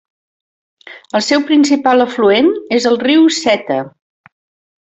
El seu principal afluent és el riu Seta.